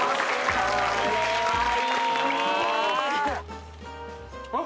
これはいい！